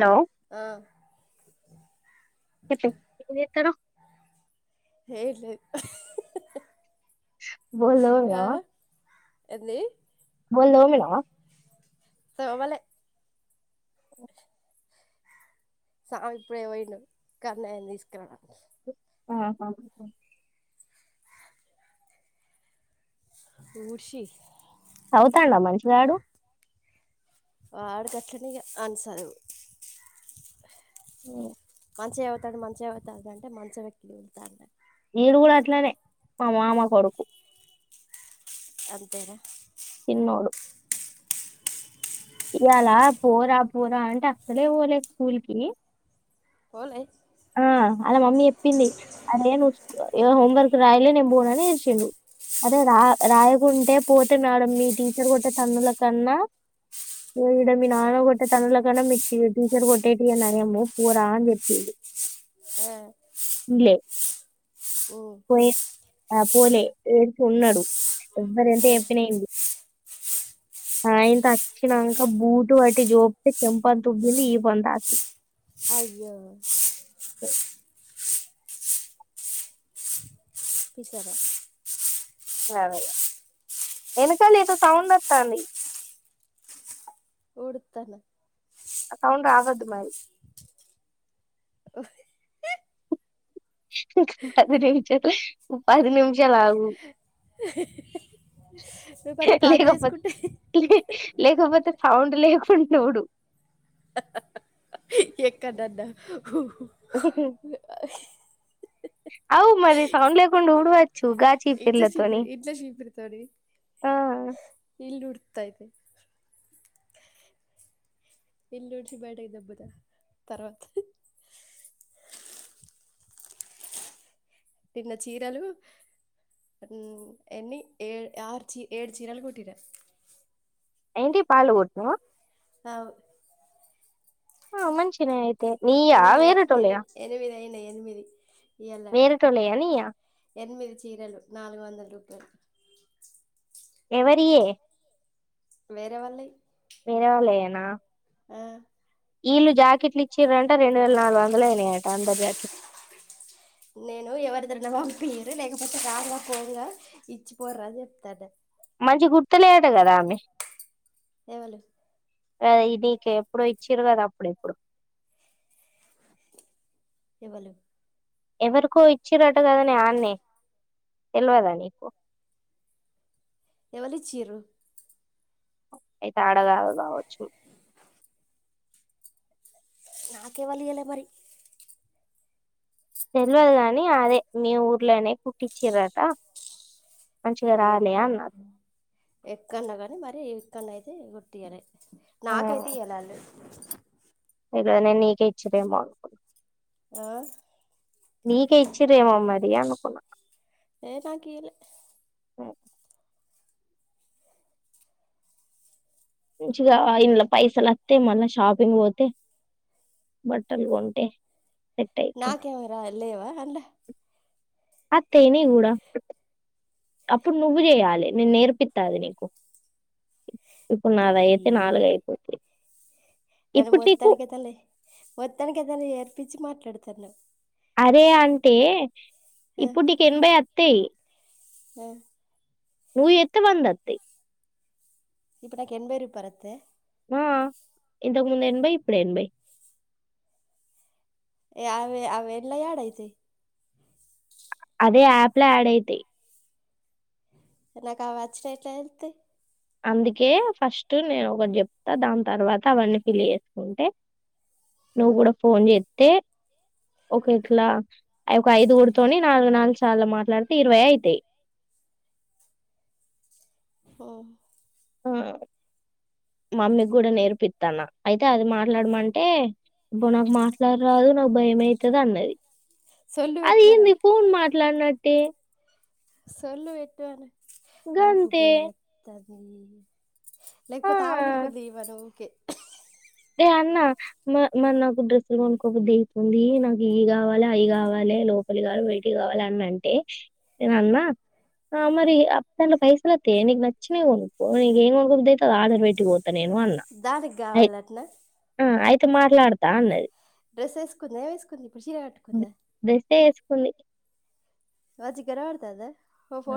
Hello ఆ ఇది ఎక్కడ. హాహా. బోల్ తోవినావా. ఏంది. బోల్ తోమినావా. తోమలే. సామి ఇప్పుడే వోయిండు కన్నయ్యని తీసుకురా. ఆహా. ఊడ్షి. తాగుతాండమని నడు వాడుకట్లనియ అనుసదు మ మంచిగా అవుతాడు మంచిగా అవుతాది అంటే మంచం ఎక్కి ఎగురుతాండు ఈడు కూడా అట్లనె మా మామ కొడుకు అంతేర తిన్నోడు ఇయాల పోరా పోరా అంటే అస్సలే వోలే స్కూల్ కి పోలే ఆ అలా మమ్మీ చెప్పింది అదే నువ్వు హోంవర్క్ రాయలే నేను పోను అని ఏడ్చిండు అదే రా రాయకుంటే పోతే మేడం మీ టీచర్ కొట్టే తన్నులకన్నా ఇడ మీ నాన్న కొట్టే తన్నుల కన్నా మీ టీచర్ కొట్టేటి నయం పోరా అని చెప్పిండు ఆ లే ఊ పోయి ఆ పోలే ఎడ్కో ఉన్నాడు ఎవ్వరు ఎంత ఆ చెప్పిన వినడు అఇంత వచ్చినంక బూటు బట్టి జోపితే చెంపతుబ్బింది ఈపు అంత ఆసింది అయ్యో ఏ పితారా అదే వెనకాల ఏదో సౌండ్ అతంది ఊడుత్తన్న ఆ సౌండ్ ఆగదు మరి పది నిమిషాలు ఆగు నువ్వు మరి పని లేకపోతే చేసుకుంటే తిన్ని లేకపోతే సౌండ్ లేకుంటోడు ఎక్కడన్నా అవు మరి సౌండ్ లేకుండా ఉడువవై ఇంట్ల చీపిరి ఇంట్ల చీపిరితోని ఆ ఇల్లు ఉడుత్త అయితే ఇల్లూడ్చి బయటకి దొబ్బుతా తర్వాత నిన్న చీరలు ఎన్ని ఏ ఆరు చీ ఏడు చీరలు కుట్టిన ఏంటి పాలు కుట్టినవా అవు ఆ మంచిగానే అయి ఎనిమిది అయి ఎని ఎనిమిది అయినయి ఎనిమిది ఇయ్యాల వేరేటోళ్ళయా నీయా ఎనిమిది చీరలు నాలుగు వందల రూపాయలు ఎవరియే వేరే వాళ్ళయి వేరే వాళ్లయేనా ఆ వీళ్ళు జాకెట్ లు ఇచ్చిర్ అంట రెండు వేల నాలుగు వందలు అయినయంట అందరి జాకెట్లు నేను ఎవరిద్దరిన పంపియరు లేకపోతే రాాల పోగా ఇచ్చిపోర అని చెప్తాడు మంచి గుర్తులేదట కదా ఆమె ఎవలు ఓ ఇది నీకు ఎప్పుడో ఇచ్చారు కదా అప్పుడు ఎప్పుడు ఏవలు ఎవరికో ఇచ్చిరట కదనె ఆన్నే తెలియదా నీకు ఎవలి అయితే ఆడ కాదు కావచ్చు నాకెవలు ఈయలే మరి తెలియదు గానీ అదే మీ ఊర్లోనే కుట్టిచ్చిరట మంచిగా రాలే ఎక్కడ అన్నారు ఎక్కండ కానీ మరి ఇక్కడనైతే కుట్టియాలె నాకైతే ఇయలాళ్ళు ఇ న నీకే ఇచ్చరి ఏమో అనుకున్ ఆ నిక్ ఏ ఈచిరు ఏమో మరి అనీ అనుకున్న ఏ నాక్ ఈయలే మ్మ్ మంచిగా ఇంలో పైసలు వస్తతే మళీ షాపింగ్ పోతే బట్టలు కొంటే సెట్ అయితది నాకేమరా ఇలివా [unintelligible] అత్తేనే గూడా అప్పుడు నువ్వు చేయాలి నేను నేర్పిస్తది నీకు ఇప్పుడు తీ నాద అయితే నాలుగు అయిపోయిది నన్ను ఇప్పుటిీకు మొత్తానికి మాట్లాడుతన్న అరే అంటే ఇప్పుడు నీకు ఎనభై వత్తాయి అ నువ్ చేస్తే వందా వస్తాయి ఇప్పుడు నాక్ ఎనభై రూపాయిలు వత్తయ ఆ ఇంతకు ముందు ఎనభై ఇప్పుడు ఎనభై అవ అవి ఎట్ల యాడ్ అయితాయి అదే యాప్ లో యాడ్ అయితయి నాకు ఆ వచ్చిన ఎట్లా తెలుస్తాయి అందుకే ఫస్ట్ నేను ఒకటి చెప్తా దాని తర్వాత అవన్నీ ఫిల్ చేసుకుంటే నువ్వు కూడా ఫోన్ చేస్తే ఒక ఇట్లా ఒక ఐదు కూడితోని నాలుగు నాలుగు సార్లు మాట్లాడితే ఇరవై అయితాయి ఓ ఆ మా మమ్మీకి కూడా నేర్పిస్తాన్న అయితే అది మాట్లాడమంటే ఇప్పుడు నాకు మాట్లాడరాదు నాకు భయం అయితది అన్నది సొల్లు అది ఏంది పెట్టమనవు ఫోన్ మాట్లాడిన టె సొల్లు వెటువనే గంతే [inaudible] ఆ లేకపోతే ఆవలింపూలు తీయమను ఊకే ఏ అన్నా మ మరి నాకు డ్రెస్సులు కొనుకొకద్ద అయితుంది నాకు ఈ కావాలి అయి కావాలి లోపలి కావాలి బయటివి కావాలి అని అంటే ఏనామా ఆ మరి అప్పత్తా పైసలతే నీకు నచ్చినే ఉకో ఏం ఒకుదైతే అద ఆధార్ బయటికి ద్తు దానికి కావాల అట్నా ఆ అయితే మాట్లాడతా అన్నది డ్రెస్ వేకు ఏ వేసుకుంది ఇప్పుడు చీర కట్టుకుంద ఉంది వజిక రాడుతుదా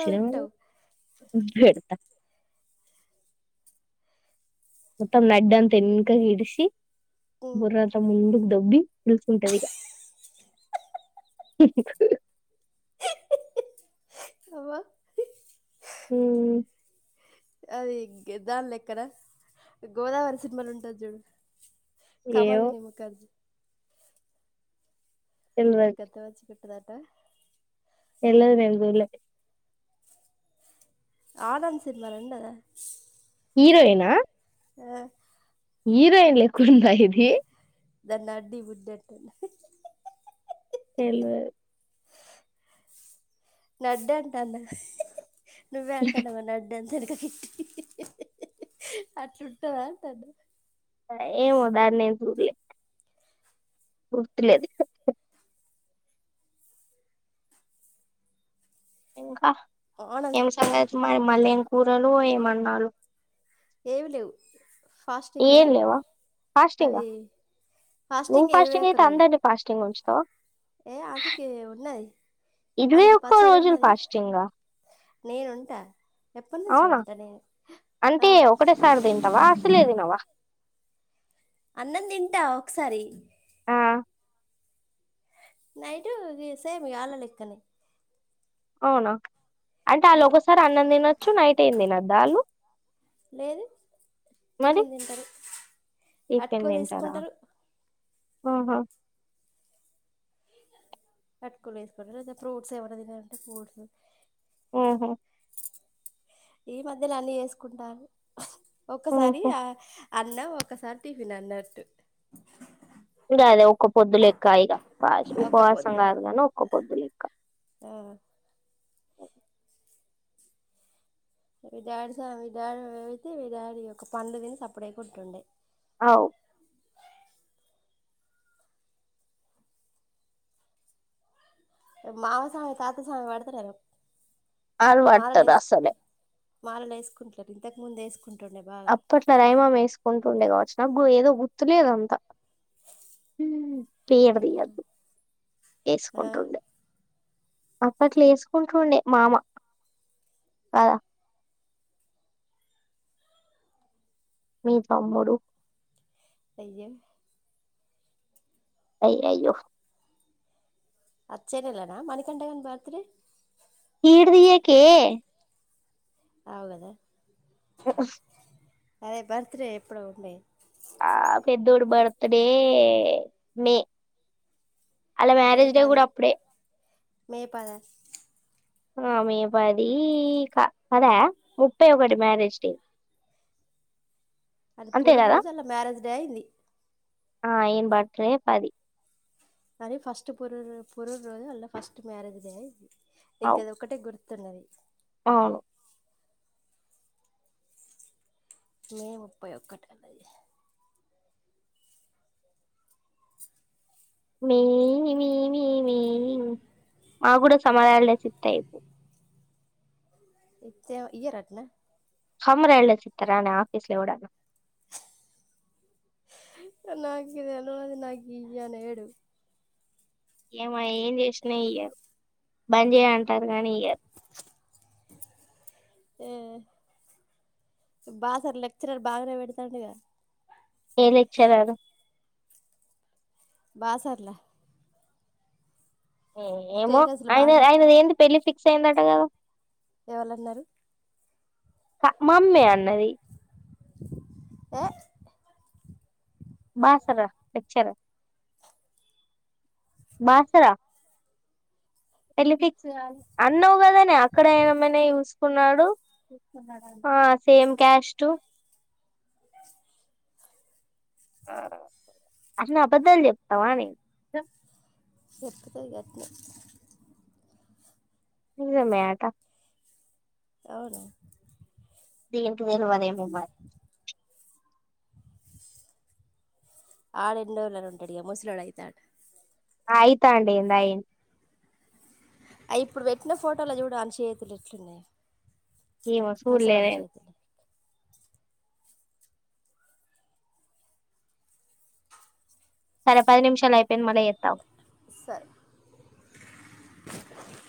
చిన పెడతా మొత్తం నడ్డ అంత ఎనక గిడిసి ఉమ్ బుర్రంత ముందుకు దొబ్బి నిల్చుంటది ఇక అవ్వ హ్మ్ అది దాని లెక్కన గోదావరి సినిమాలో ఉంటది చూడు ఏమో కమలిని ముఖర్జీ తెల్వద్ [unintelligible] ఎల్లదు రెండు ఊర్లకి ఆదన్ సినిమా రండరా హీరోయినా ఆ హీరోయిన్ లెక్కను ఉందా ఇది దాని నడ్డి బుడ్ద్దంట తెల్వదు నడ్డంటాన్న నువ్వే అంటానవ నడ్డి దాన్ని సరిగా తిట్టి అట్లుంటదా అంటున్న ఏమో దాన్నేం చూపీయ గుర్తులేదు ఇంకా ఆనంద్ ఏం సంగతులు మాయ్ మళ్ళేం కూరలు ఏం వండిన్నారు ఏమి లేవు ఫాస్టింగ్ ఏం కదా లేవా ఫాస్టింగా అవి నువ్వు ఇరవై ఫాస్టింగ్ ఒక్క అయితే రోజు అందరినీ ఫాస్టింగ్ ఉంచి ఆ ఏ ఆకికే ఉన్నది ఇరవై ఆయనకి ఒక్క రోజులు పచ్చడున్నది ఫాస్టింగా నేను ఉంటా ఎప్పటి నుంచో అవునా ఉంటా నేను అంటే అవ్ ఒకటేసారి తింటావా అసలే తినవా అన్నం దింటా ఒకసారి ఆ నైటు ఇది సేమ్ వాళ్ళ లెక్కనే అవునా అంటే వాళ్ళ ఒ అవ్ ఒకసారి అన్నం తినొచ్చు నైట్ ఏం తినొచ్చు దాలు లేదు టిఫిన్ తింటారు అటుకో తీసుకుంటారు ఉహుమ్ అట్కులు వేసుకుంట అతే ఫ్రూట్స్ ఎవరు తినారంటే ఫ్రూట్స్ ఉహుమ్ ఈ మధ్యలో అన్ని వేసుకుంటారు ఒక్కసారి ఉహు ఆ అన్న ఒకసారి టిఫిన్ అన్నట్టు ఇంక అదే ఒక్క పొద్దు లెక్క ఇక ఉ ఒక్క ఉపవాసం పొద్దు కాదు కానీ ఒక్క పొద్దు లెక్క ఆ విదడి విదడు వెతే విదడి యొ పండు విని సప్పుడై కొంటుండే అవు మావ సామి తాత సామి వాడుతులేరు అల్వాట్త అసలే మాలలు వేసుకుంటారు ఇంతకు ముందు వేసుకుంటారు అప్పట్లో రైమా వేసుకుంటు ఉండే కావచ్చు నాగ్గు ఏదో గుర్తులేదంతా పడది అదు ఆ వసుకంటండ అక్కట్లు వసుకుంటుండే మామ కదా మీ బమ్ముడు అయ్యో అయి అయ్యో అచ్చేనల్నా మణికఠగన్ బర్తీ ఇర్దియక అవు కదా అ హు అరే బర్త్ డే ఎప్పుడు ఉండే ఆ ఫ దూర బర్త్డే మే అలా మే మ్యారేజ్ డే పది కూడా అప్పుడే మే పధా ఆ మే పది క కదా ముప్పై ఒకటి మ్యారేజ్ డే అది పు అంతే కదా రోజు అలా మరేజ్ దైంది ఆ ఏన్ పాడుతు పాది అరే ఫర్స్ట్రు్ర అ ఫర్స్ట్ మ్యరేజ్ డే అవు దగ్గది ఒకటే గుర్తు తున్నది అవును మే ముపాయి ఒకాటి వాలా ధి మ మమమ మా కూడా సమాధలుసిత్తాయిపు ఇతే ఇయరటనా సమ్మర్ హాలిడేస్ ఇత్తరనే ఆఫీస్ లో కూడా నాకు తెల్వదు నాకు ఇయ్య అని ఏడు ఏమో ఏం చేసినా ఇయ్యారు బంద్ చేయ అంటారు కానీ ఇయ్యారు ఏ బాస్ సార్ లెక్చరర్ బాగానే పెడతాడిగా ఏ లెక్చరర్ బాసర్ల ఏమో స్టేటస్లు ఆయన బాగానే ఆయన ఏంది పెళ్ళి ఫిక్స్ అయిందటా కదా ఎవలన్నారు మామ్మే అన్నది ఎ బాసర వచ్చారా బాసర వెళ్ళి ఫిక్స్ అన్నావు కదానే అక్కడ అమ్మాయినే చూసుకున్నాడు సేమ్ క్యాస్ట్ అసలు అబద్ధాలు చెప్తావా నే చెబితే గట్లే నిజమే అట అవును దీనికి వేర్లు వేరేమో మరి ఆడు ఎన్ని రోజులు ఉంటాడు ఇగ ముస్లోడు అయితాడు అయితా అండి ఏందయి అ ఇప్పుడు పెట్టిన ఫోటోలు చూడ అని చేతులు ఎట్లున్నాయో మీ ముసలోని [unintelligible] చేతులు సరే పది నిమిషాలు అయిపోయింది మళ్ళీ చెత్త ఆగు సరే [inaudible]